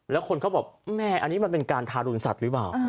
แล้วคนเขาบอกแม่อันนี้มันเป็นการทารุณสัตว์หรือเปล่า